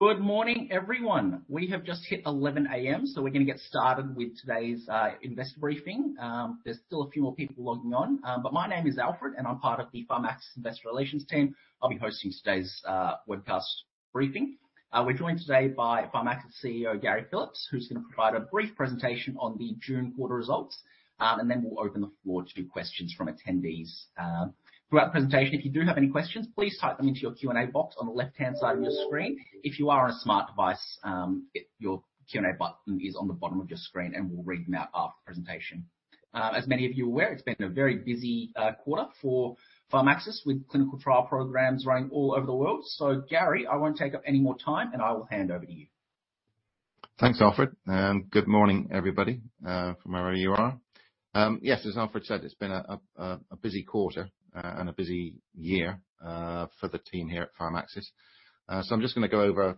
Good morning, everyone. We have just hit 11:00 A.M., so we're gonna get started with today's investor briefing. There's still a few more people logging on. My name is Alfred, and I'm part of the Pharmaxis investor relations team. I'll be hosting today's webcast briefing. We're joined today by Pharmaxis Chief Executive Officer, Gary Phillips, who's gonna provide a brief presentation on the June quarter results. Then we'll open the floor to do questions from attendees. Throughout the presentation, if you do have any questions, please type them into your Q&A box on the left-hand side of your screen. If you are on a smart device, your Q&A button is on the bottom of your screen, and we'll read them out after the presentation. As many of you are aware, it's been a very busy quarter for Pharmaxis, with clinical trial programs running all over the world. Gary, I won't take up any more time, and I will hand over to you. Thanks, Alfred, and good morning, everybody, from wherever you are. Yes, as Alfred said, it's been a busy quarter and a busy year for the team here at Pharmaxis. I'm just gonna go over a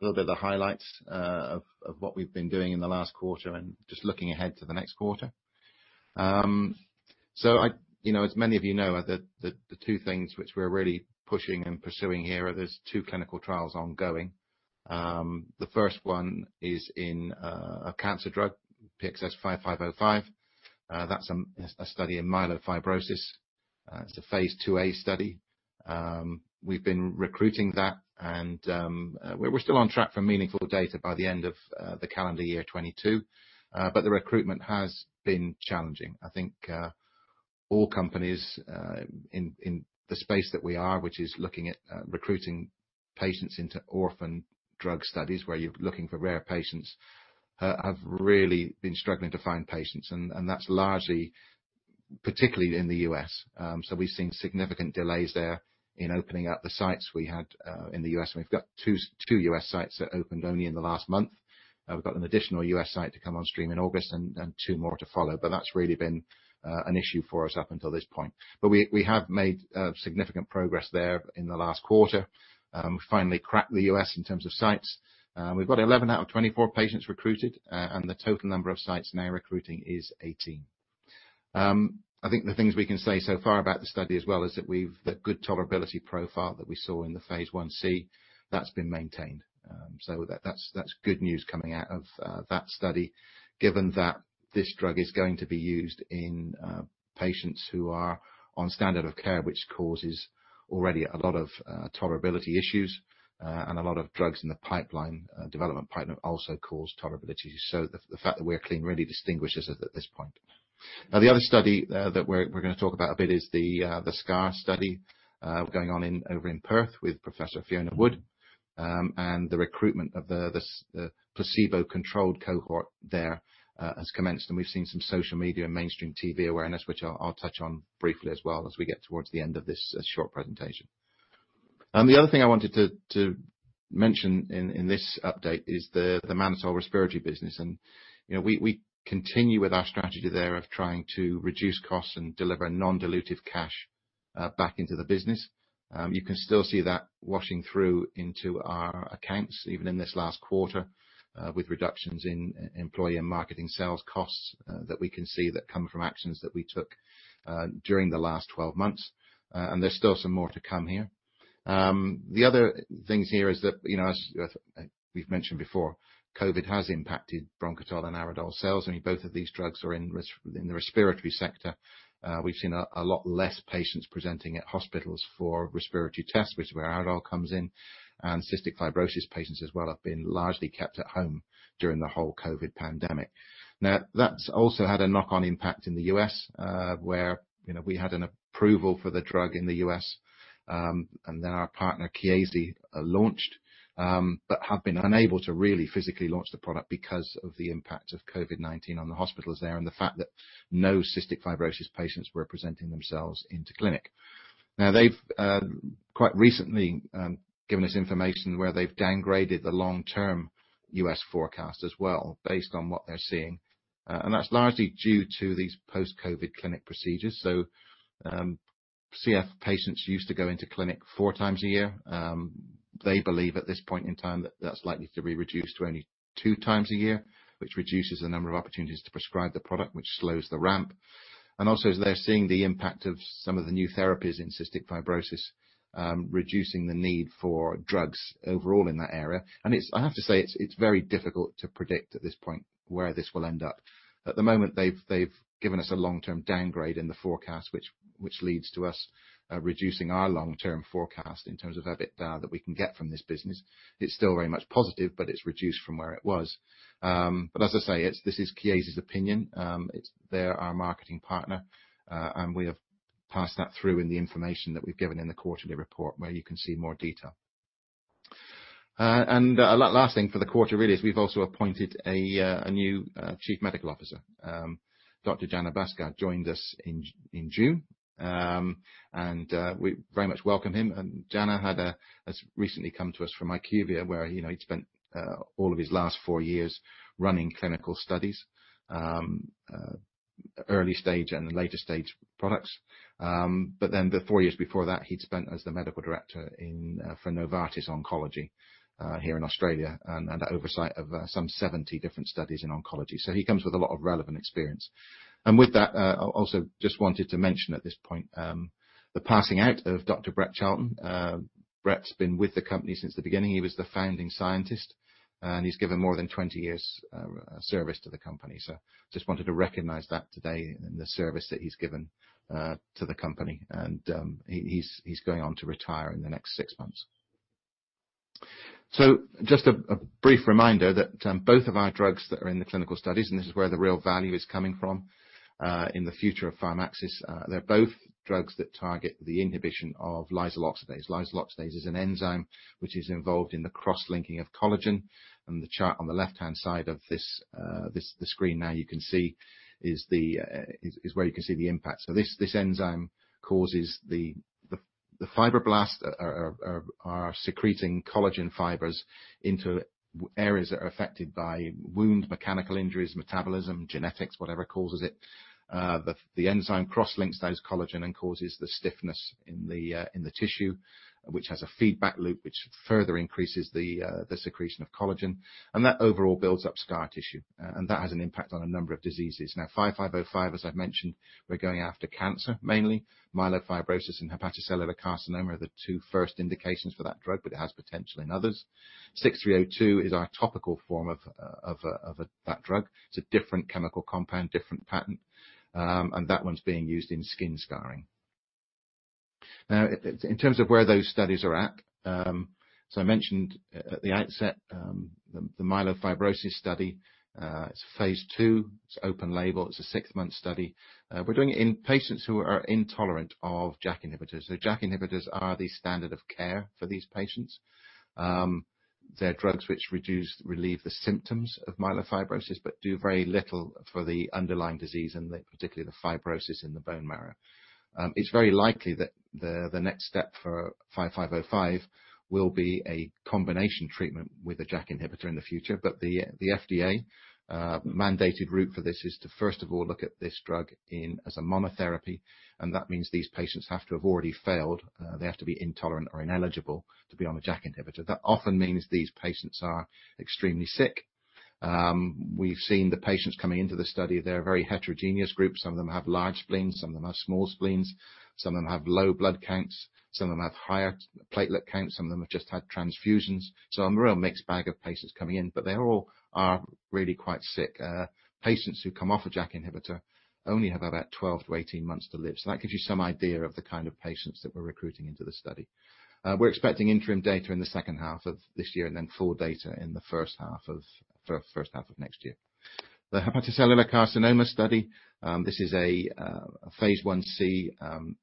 little bit of the highlights of what we've been doing in the last quarter and just looking ahead to the next quarter. I you know, as many of you know, the two things which we're really pushing and pursuing here are those two clinical trials ongoing. The first one is in a cancer drug, SNT-5505. That's a study in myelofibrosis. It's a phase II-A study. We've been recruiting that and we're still on track for meaningful data by the end of the calendar year 2022. The recruitment has been challenging. I think all companies in the space that we are, which is looking at recruiting patients into orphan drug studies, where you're looking for rare patients, have really been struggling to find patients and that's largely particularly in the U.S. We've seen significant delays there in opening up the sites we had in the U.S. We've got two U.S. sites that opened only in the last month. We've got an additional U.S. site to come on stream in August and two more to follow, but that's really been an issue for us up until this point. We have made significant progress there in the last quarter. We finally cracked the U.S. in terms of sites. We've got 11 patients out of 24 patients recruited, and the total number of sites now recruiting is 18 patients. I think the things we can say so far about the study as well is that we've the good tolerability profile that we saw in the phase I-C, that's been maintained. That's good news coming out of that study, given that this drug is going to be used in patients who are on standard of care, which causes already a lot of tolerability issues. A lot of drugs in the development pipeline also cause tolerability issues. The fact that we're clean really distinguishes us at this point. The other study that we're gonna talk about a bit is the SCAR study going on in. Over in Perth with Professor Fiona Wood. The recruitment of the placebo-controlled cohort there has commenced, and we've seen some social media and mainstream TV awareness, which I'll touch on briefly as we get towards the end of this short presentation. The other thing I wanted to mention in this update is the Mannitol respiratory business. You know, we continue with our strategy there of trying to reduce costs and deliver non-dilutive cash back into the business. You can still see that washing through into our accounts, even in this last quarter, with reductions in employee and marketing sales costs that we can see come from actions that we took during the last 12 months. There's still some more to come here. The other things here is that, you know, as we've mentioned before, COVID has impacted Bronchitol and Aridol sales. I mean, both of these drugs are in the respiratory sector. We've seen a lot less patients presenting at hospitals for respiratory tests, which is where Aridol comes in. Cystic fibrosis patients as well have been largely kept at home during the whole COVID pandemic. Now, that's also had a knock-on impact in the U.S., where, you know, we had an approval for the drug in the U.S., and then our partner, Chiesi, launched, but have been unable to really physically launch the product because of the impact of COVID-19 on the hospitals there and the fact that no cystic fibrosis patients were presenting themselves into clinic. Now, they've quite recently given us information where they've downgraded the long-term U.S. forecast as well, based on what they're seeing. That's largely due to these post-COVID clinic procedures. CF patients used to go into clinic four times a year. They believe at this point in time that that's likely to be reduced to only two times a year, which reduces the number of opportunities to prescribe the product, which slows the ramp. Also they're seeing the impact of some of the new therapies in cystic fibrosis, reducing the need for drugs overall in that area. I have to say, it's very difficult to predict at this point where this will end up. At the moment they've given us a long-term downgrade in the forecast, which leads to us reducing our long-term forecast in terms of EBITDA that we can get from this business. It's still very much positive, but it's reduced from where it was. As I say, this is Chiesi's opinion. They're our marketing partner. We have passed that through in the information that we've given in the quarterly report, where you can see more detail. Last thing for the quarter really is we've also appointed a new chief medical officer. Dr. Jana Bhaskar joined us in June. We very much welcome him. Jana has recently come to us from IQVIA, where you know he'd spent all of his last four years running clinical studies. Early stage and later stage products. Then the four years before that, he'd spent as the medical director in for Novartis Oncology here in Australia and had oversight of some 70 different studies in oncology. He comes with a lot of relevant experience. With that, I also just wanted to mention at this point, the passing of Dr. Brett Charlton. Brett's been with the company since the beginning. He was the founding scientist, and he's given more than 20 years service to the company. Just wanted to recognize that today and the service that he's given to the company and he is going on to retire in the next six months. Just a brief reminder that both of our drugs that are in the clinical studies, and this is where the real value is coming from, in the future of Pharmaxis. They're both drugs that target the inhibition of lysyl oxidase. Lysyl oxidase is an enzyme which is involved in the cross-linking of collagen. The chart on the left-hand side of this, the screen now you can see is where you can see the impact. This enzyme causes the fibroblasts are secreting collagen fibers into areas that are affected by wounds, mechanical injuries, metabolism, genetics, whatever causes it. The enzyme cross-links those collagen and causes the stiffness in the tissue, which has a feedback loop which further increases the secretion of collagen. That overall builds up scar tissue. That has an impact on a number of diseases. Now, SNT-5505, as I've mentioned, we're going after cancer, mainly. Myelofibrosis and hepatocellular carcinoma are the two first indications for that drug, but it has potential in others. SNT-6302 is our topical form of that drug. It's a different chemical compound, different patent, and that one's being used in skin scarring. Now, in terms of where those studies are at, I mentioned at the outset, the myelofibrosis study, it's phase II, it's open label, it's a six-month study. We're doing it in patients who are intolerant of JAK inhibitors. JAK inhibitors are the standard of care for these patients. They're drugs which relieve the symptoms of myelofibrosis, but do very little for the underlying disease, and particularly the fibrosis in the bone marrow. It's very likely that the next step for SNT-5505 will be a combination treatment with a JAK inhibitor in the future. The FDA mandated route for this is to first of all look at this drug as a monotherapy, and that means these patients have to have already failed. They have to be intolerant or ineligible to be on a JAK inhibitor. That often means these patients are extremely sick. We've seen the patients coming into the study, they're a very heterogeneous group. Some of them have large spleens, some of them have small spleens, some of them have low blood counts, some of them have higher platelet counts, some of them have just had transfusions. A real mixed bag of patients coming in. They all are really quite sick. Patients who come off a JAK inhibitor only have about 12 months-18 months to live. That gives you some idea of the kind of patients that we're recruiting into the study. We're expecting interim data in the second half of this year, and then full data in the first half of next year. The hepatocellular carcinoma study, this is a phase I-C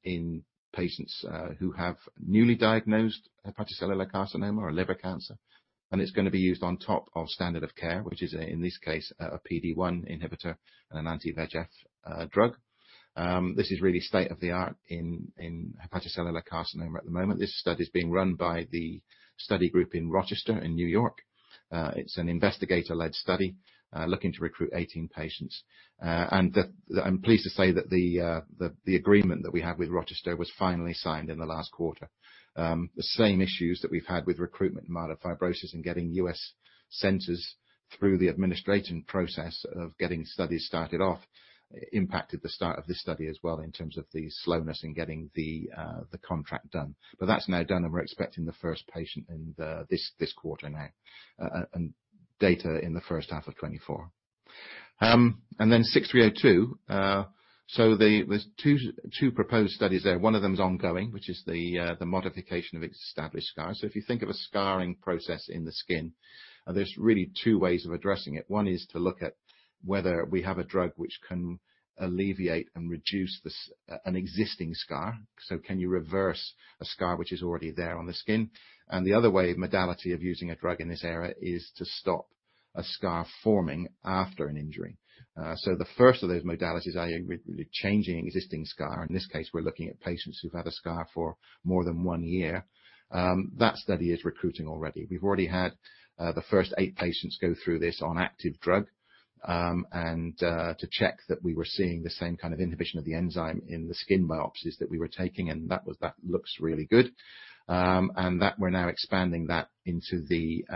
in patients who have newly diagnosed hepatocellular carcinoma or liver cancer, and it's gonna be used on top of standard of care, which is in this case a PD-1 inhibitor and an anti-VEGF drug. This is really state-of-the-art in hepatocellular carcinoma at the moment. This study is being run by the study group in Rochester, in New York. It's an investigator-led study looking to recruit 18 patients. I'm pleased to say that the agreement that we had with Rochester was finally signed in the last quarter. The same issues that we've had with recruitment in myelofibrosis and getting U.S. centers through the administration process of getting studies started off impacted the start of this study as well in terms of the slowness in getting the contract done. That's now done, and we're expecting the first patient in this quarter now, and data in the first half of 2024. 6302. There's two proposed studies there. One of them is ongoing, which is the modification of established scars. If you think of a scarring process in the skin, there's really two ways of addressing it. One is to look at whether we have a drug which can alleviate and reduce an existing scar. Can you reverse a scar which is already there on the skin? The other way of modality of using a drug in this area is to stop a scar forming after an injury. The first of those modalities, changing an existing scar, in this case, we're looking at patients who've had a scar for more than one year. That study is recruiting already. We've already had the first eight patients go through this on active drug, and to check that we were seeing the same kind of inhibition of the enzyme in the skin biopsies that we were taking, and that looks really good. We're now expanding that into the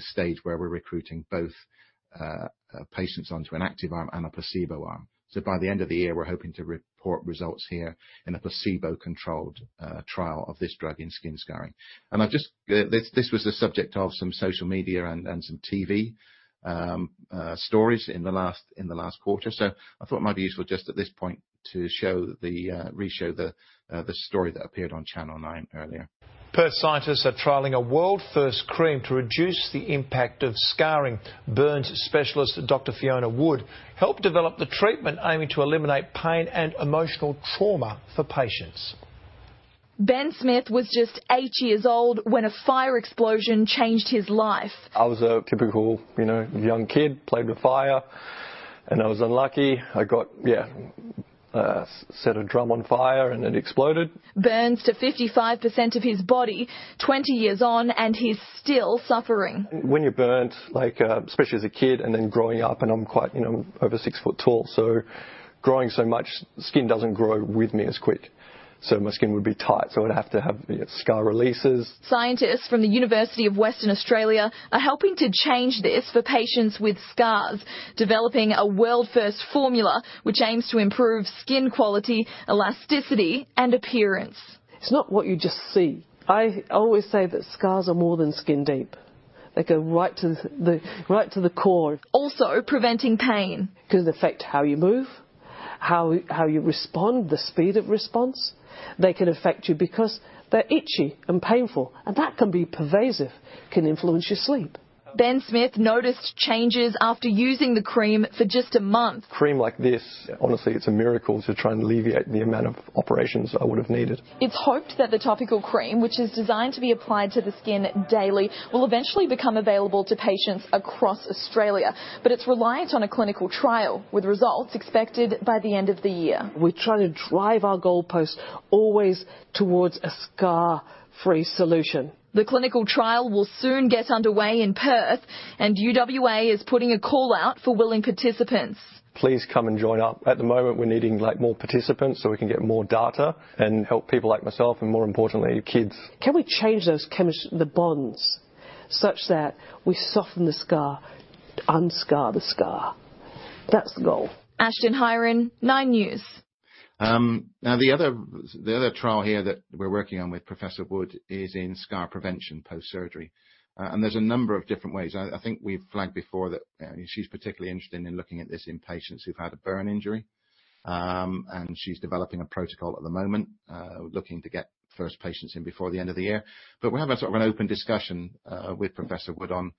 stage where we're recruiting both patients onto an active arm and a placebo arm. By the end of the year, we're hoping to report results here in a placebo-controlled trial of this drug in skin scarring. This was the subject of some social media and some TV stories in the last quarter. I thought it might be useful just at this point to show the story that appeared on Channel Nine earlier. Perth scientists are trialing a world-first cream to reduce the impact of scarring. Burns specialist Dr. Fiona Wood helped develop the treatment aiming to eliminate pain and emotional trauma for patients. Ben Smith was just eight years old when a fire explosion changed his life. I was a typical, you know, young kid, played with fire, and I was unlucky. I got, yeah. Set a drum on fire, and it exploded. Burns to 55% of his body. 20 years on, he's still suffering. When you're burnt, like, especially as a kid, and then growing up, and I'm quite, you know, over six foot tall, so growing so much, skin doesn't grow with me as quick. So my skin would be tight, so I would have to have, you know, scar releases. Scientists from the University of Western Australia are helping to change this for patients with scars. Developing a world-first formula which aims to improve skin quality, elasticity, and appearance. It's not what you just see. I always say that scars are more than skin deep. They go right to the core. Also preventing pain. It can affect how you move, how you respond, the speed of response. They can affect you because they're itchy and painful, and that can be pervasive, can influence your sleep. Ben Smith noticed changes after using the cream for just a month. Cream like this, honestly, it's a miracle to try and alleviate the amount of operations I would have needed. It's hoped that the topical cream, which is designed to be applied to the skin daily, will eventually become available to patients across Australia. It's reliant on a clinical trial, with results expected by the end of the year. We're trying to drive our goalpost always towards a scar-free solution. The clinical trial will soon get underway in Perth, and UWA is putting a call out for willing participants. Please come and join up. At the moment, we're needing, like, more participants so we can get more data and help people like myself and, more importantly, kids. Can we change those chemical bonds such that we soften the scar, un-scar the scar? That's the goal. Ashton Hyrons, 9News. Now, the other trial here that we're working on with Professor Wood is in scar prevention post-surgery. There's a number of different ways. I think we've flagged before that she's particularly interested in looking at this in patients who've had a burn injury. She's developing a protocol at the moment, looking to get first patients in before the end of the year. But we're having sort of an open discussion with Professor Wood on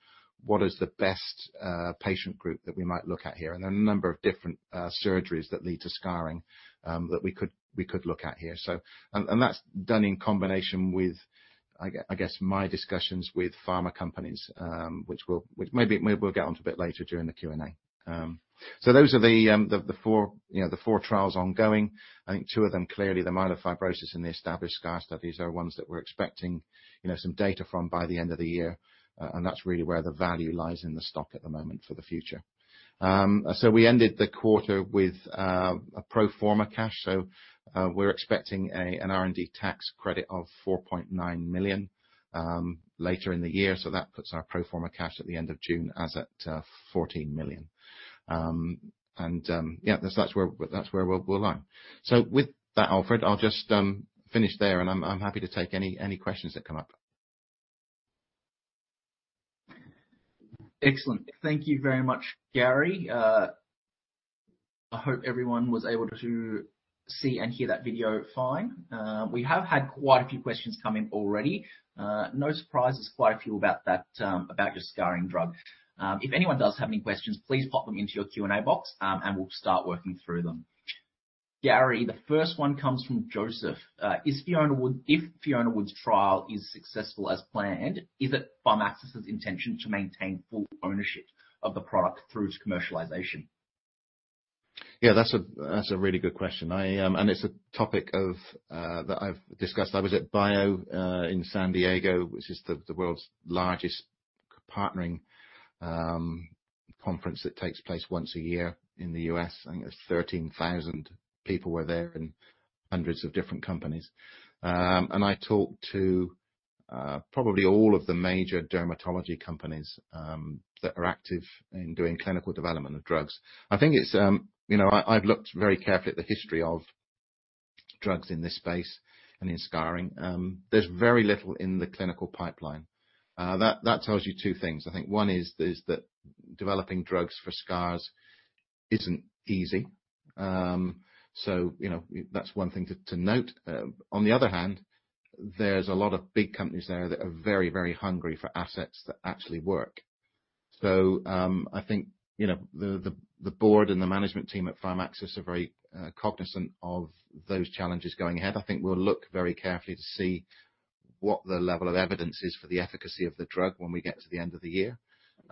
what is the best patient group that we might look at here. There are a number of different surgeries that lead to scarring that we could look at here. That's done in combination with, I guess, my discussions with pharma companies, which maybe we'll get onto a bit later during the Q&A. Those are the four trials ongoing. I think two of them, clearly, the myelofibrosis and the established scar studies are ones that we're expecting, you know, some data from by the end of the year, and that's really where the value lies in the stock at the moment for the future. We ended the quarter with a pro forma cash. We're expecting an R&D tax credit of 4.9 million later in the year. That puts our pro forma cash at the end of June as at 14 million. That's where we're aligned. With that, Alfred, I'll just finish there, and I'm happy to take any questions that come up. Excellent. Thank you very much, Gary. I hope everyone was able to see and hear that video fine. We have had quite a few questions come in already. No surprises, quite a few about that, about your scarring drug. If anyone does have any questions, please pop them into your Q&A box, and we'll start working through them. Gary, the first one comes from Joseph. If Fiona Wood's trial is successful as planned, is it Pharmaxis's intention to maintain full ownership of the product through to commercialization? Yeah, that's a really good question. It's a topic that I've discussed. I was at BIO in San Diego, which is the world's largest partnering conference that takes place once a year in the US. I think it's 13,000 people were there and hundreds of different companies. I talked to probably all of the major dermatology companies that are active in doing clinical development of drugs. I think, you know, I've looked very carefully at the history of drugs in this space and in scarring. There's very little in the clinical pipeline. That tells you two things. I think one is that developing drugs for scars isn't easy. You know, that's one thing to note. On the other hand, there's a lot of big companies there that are very, very hungry for assets that actually work. I think, you know, the board and the management team at Pharmaxis are very cognizant of those challenges going ahead. I think we'll look very carefully to see what the level of evidence is for the efficacy of the drug when we get to the end of the year.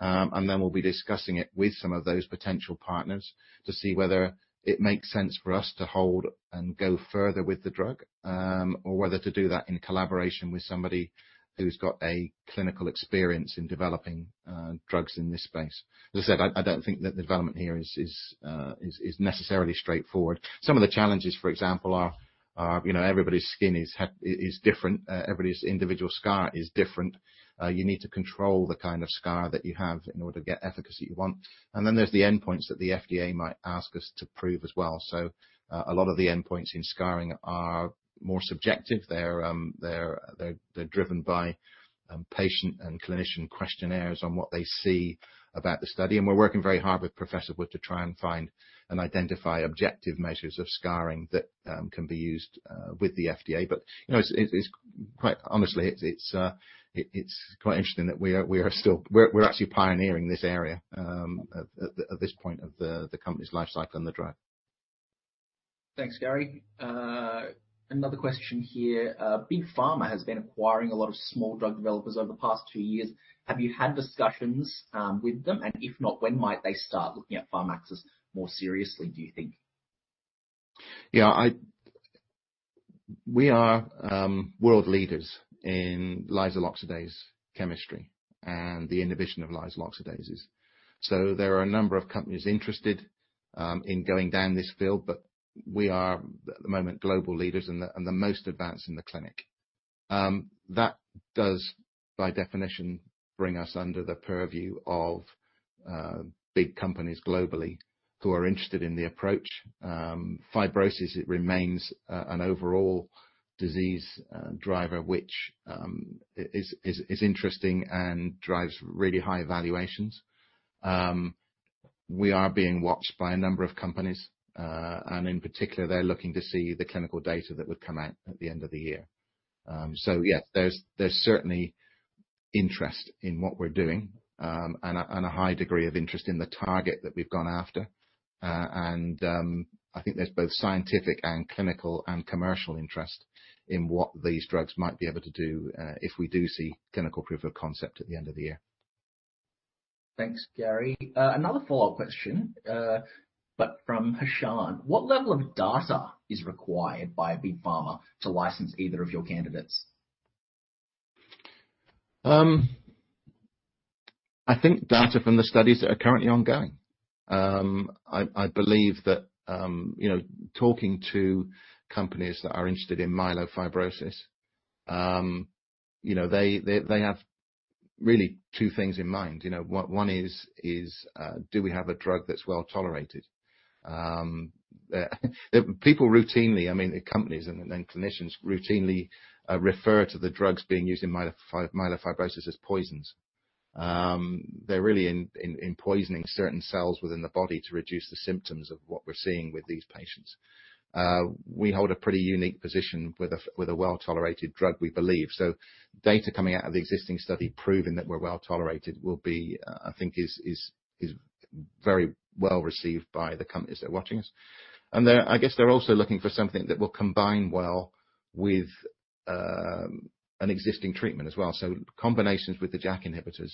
We'll be discussing it with some of those potential partners to see whether it makes sense for us to hold and go further with the drug, or whether to do that in collaboration with somebody who's got a clinical experience in developing drugs in this space. As I said, I don't think that the development here is necessarily straightforward. Some of the challenges, for example, are you know, everybody's skin is different. Everybody's individual scar is different. You need to control the kind of scar that you have in order to get efficacy you want. Then there's the endpoints that the FDA might ask us to prove as well. A lot of the endpoints in scarring are more subjective. They're driven by patient and clinician questionnaires on what they see about the study. We're working very hard with Professor Wood to try and find and identify objective measures of scarring that can be used with the FDA. You know, it's quite honestly, it's quite interesting that we are still. We're actually pioneering this area at this point of the company's life cycle and the drug. Thanks, Gary. Another question here. Big Pharma has been acquiring a lot of small drug developers over the past few years. Have you had discussions with them? If not, when might they start looking at Pharmaxis more seriously, do you think? We are world leaders in lysyl oxidase chemistry and the inhibition of lysyl oxidases. There are a number of companies interested in going down this field, but we are, at the moment, global leaders and the most advanced in the clinic. That does, by definition, bring us under the purview of big companies globally who are interested in the approach. Fibrosis, it remains an overall disease driver, which is interesting and drives really high valuations. We are being watched by a number of companies, and in particular, they're looking to see the clinical data that would come out at the end of the year. Yes, there's certainly interest in what we're doing, and a high degree of interest in the target that we've gone after. I think there's both scientific and clinical and commercial interest in what these drugs might be able to do if we do see clinical proof of concept at the end of the year. Thanks, Gary. Another follow-up question, but from Heshane. What level of data is required by Big Pharma to license either of your candidates? I think data from the studies that are currently ongoing. I believe that, you know, talking to companies that are interested in myelofibrosis, you know, they have really two things in mind. You know, one is, do we have a drug that's well-tolerated? People routinely, I mean, the companies and then clinicians routinely, refer to the drugs being used in myelofibrosis as poisons. They're really poisoning certain cells within the body to reduce the symptoms of what we're seeing with these patients. We hold a pretty unique position with a well-tolerated drug, we believe. Data coming out of the existing study proving that we're well-tolerated will be, I think, very well-received by the companies that are watching us. They're also looking for something that will combine well with an existing treatment as well. Combinations with the JAK inhibitors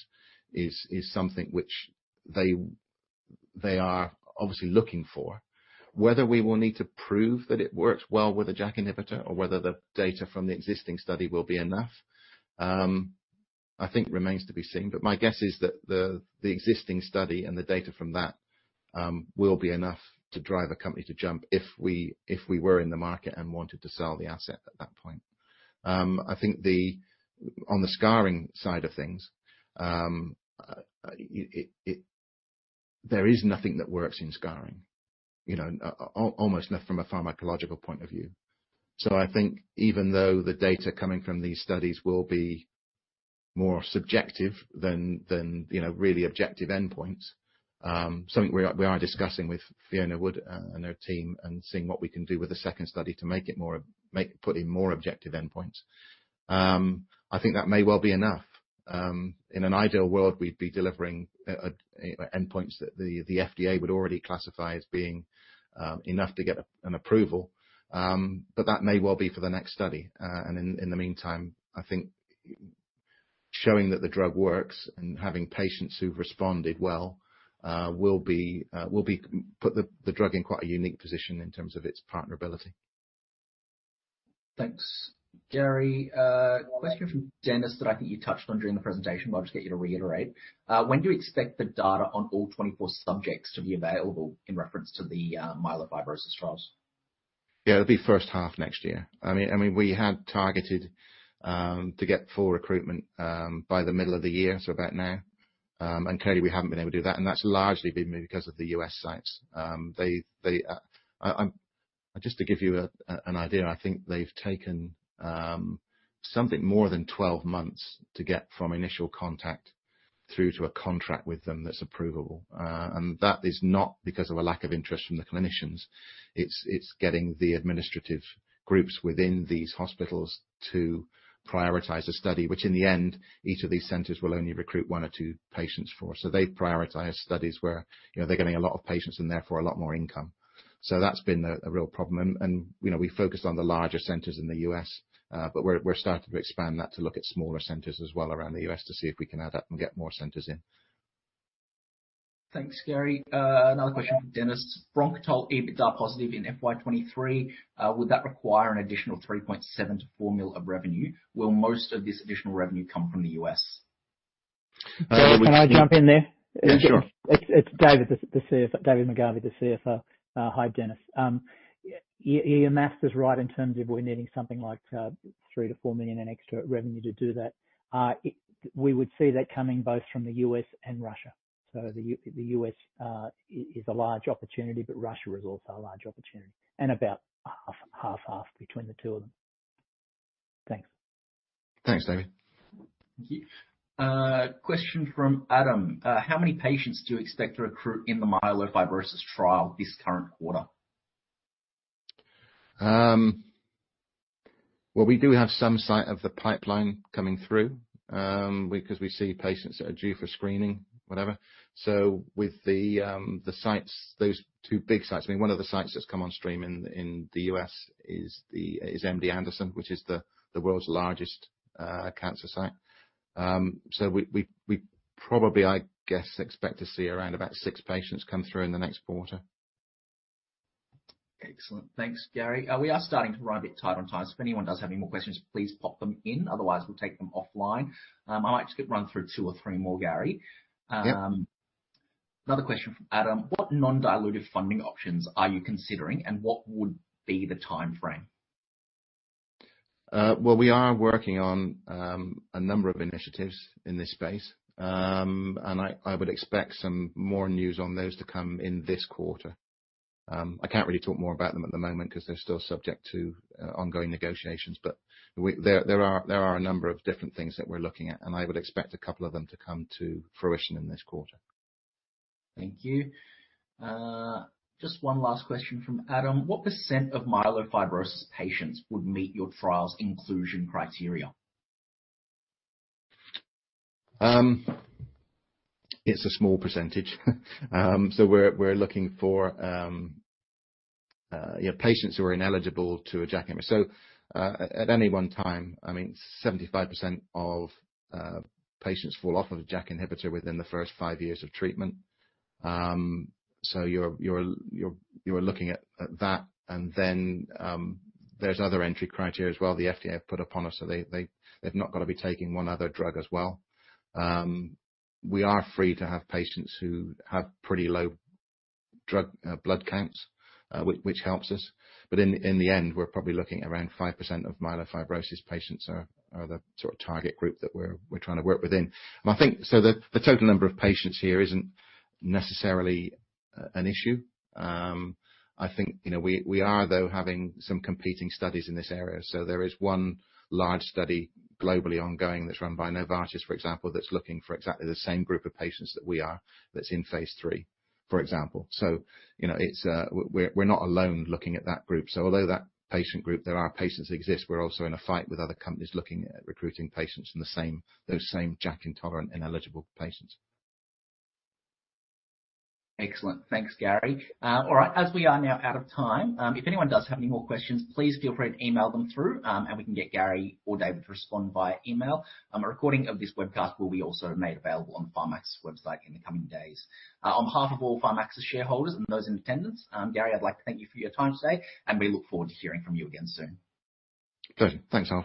is something which they are obviously looking for. Whether we will need to prove that it works well with a JAK inhibitor or whether the data from the existing study will be enough, I think remains to be seen. My guess is that the existing study and the data from that will be enough to drive a company to jump if we were in the market and wanted to sell the asset at that point. I think on the scarring side of things, there is nothing that works in scarring, you know, almost nothing from a pharmacological point of view. I think even though the data coming from these studies will be more subjective than you know really objective endpoints, something we are discussing with Fiona Wood and her team, and seeing what we can do with the second study to make it more objective, put in more objective endpoints. I think that may well be enough. In an ideal world, we'd be delivering endpoints that the FDA would already classify as being enough to get an approval. That may well be for the next study. In the meantime, I think showing that the drug works and having patients who've responded well will put the drug in quite a unique position in terms of its partner ability. Thanks, Gary. Question from Dennis that I think you touched on during the presentation, but I'll just get you to reiterate. When do you expect the data on all 24 subjects to be available in reference to the myelofibrosis trials? Yeah, it'll be first half next year. I mean, we had targeted to get full recruitment by the middle of the year, so about now. Clearly, we haven't been able to do that, and that's largely been because of the U.S. sites. They just to give you an idea, I think they've taken something more than 12 months to get from initial contact through to a contract with them that's approvable. That is not because of a lack of interest from the clinicians. It's getting the administrative groups within these hospitals to prioritize a study, which in the end, each of these centers will only recruit one or two patients for. They prioritize studies where, you know, they're getting a lot of patients and therefore a lot more income. That's been a real problem. You know, we focused on the larger centers in the U.S., but we're starting to expand that to look at smaller centers as well around the U.S. to see if we can add up and get more centers in. Thanks, Gary. Another question from Dennis. Bronchitol EBITDA positive in FY 2023, would that require an additional 3.7 million-4 million of revenue? Will most of this additional revenue come from the US? Uh, we- Can I jump in there? Yeah, sure. It's David, the Chief Financial Officer. David McGarvey, the Chief Financial Officer. Hi, Dennis. Your math is right in terms of we're needing something like 3 million-4 million in extra revenue to do that. We would see that coming both from the US and Russia. The US is a large opportunity, but Russia is also a large opportunity, and about half between the two of them. Thanks. Thanks, David. Thank you. Question from Adam. How many patients do you expect to recruit in the myelofibrosis trial this current quarter? Well, we do have some sight of the pipeline coming through, because we see patients that are due for screening, whatever. With the sites, those two big sites, I mean one of the sites that's come on stream in the U.S. is MD Anderson, which is the world's largest cancer site. We probably, I guess, expect to see around about six patients come through in the next quarter. Excellent. Thanks, Gary. We are starting to run a bit tight on time, so if anyone does have any more questions, please pop them in. Otherwise, we'll take them offline. I might just run through two or three more, Gary. Yeah. Another question from Adam. What non-dilutive funding options are you considering and what would be the timeframe? Well, we are working on a number of initiatives in this space. I would expect some more news on those to come in this quarter. I can't really talk more about them at the moment 'cause they're still subject to ongoing negotiations. There are a number of different things that we're looking at, and I would expect a couple of them to come to fruition in this quarter. Thank you. Just one last question from Adam. What % of myelofibrosis patients would meet your trial's inclusion criteria? It's a small percentage. We're looking for patients who are ineligible to a JAK inhibitor. At any one time, I mean, 75% of patients fall off of a JAK inhibitor within the first five years of treatment. You're looking at that. There's other entry criteria as well the FDA have put upon us. They've not gotta be taking one other drug as well. We are free to have patients who have pretty low blood counts, which helps us. But in the end, we're probably looking at around 5% of myelofibrosis patients are the sort of target group that we're trying to work within. The total number of patients here isn't necessarily an issue. I think, you know, we are, though, having some competing studies in this area. There is one large study globally ongoing that's run by Novartis, for example, that's looking for exactly the same group of patients that we are that's in three, for example. You know, it's. We're not alone looking at that group. Although that patient group, there are patients that exist, we're also in a fight with other companies looking at recruiting patients in those same JAK-intolerant ineligible patients. Excellent. Thanks, Gary. As we are now out of time, if anyone does have any more questions, please feel free to email them through, and we can get Gary or David to respond via email. A recording of this webcast will be also made available on the Pharmaxis's website in the coming days. On behalf of all Pharmaxis's shareholders and those in attendance, Gary, I'd like to thank you for your time today, and we look forward to hearing from you again soon. Pleasure. Thanks a lot.